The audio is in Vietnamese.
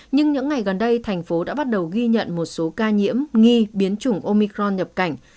nhưng những ngày gần đây thành phố đã bắt đầu ghi nhận một số ca nhiễm nghi biến chủng omicron nhập cảnh